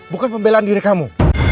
bukan pembelaan diri kamu